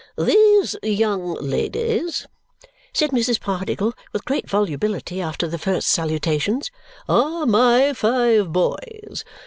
"These, young ladies," said Mrs. Pardiggle with great volubility after the first salutations, "are my five boys.